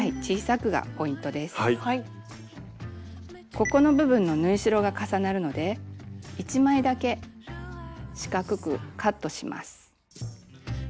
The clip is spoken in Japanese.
ここの部分の縫い代が重なるので１枚だけ四角くカットします。